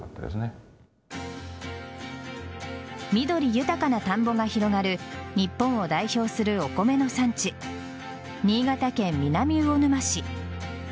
緑豊かな田んぼが広がる日本を代表するお米の産地新潟県南魚沼市。